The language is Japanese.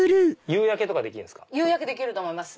夕焼けできると思います。